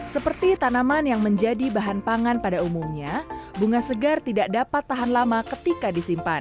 seperti tanaman yang menjadi bahan pangan pada umumnya bunga segar tidak dapat tahan lama ketika disimpan